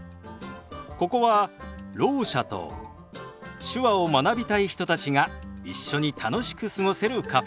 ここはろう者と手話を学びたい人たちが一緒に楽しく過ごせるカフェ。